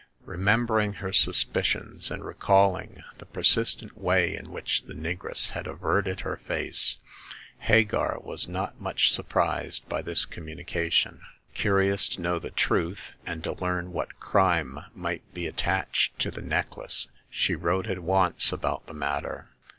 Remem bering her suspicions, and recalling the persist ent way in which the negress had averted her face, Hagar was not much surprised by this com munication. Curious to know the truth, and to learn what crime might be attached to the neck lace, she wrote at once about the matter.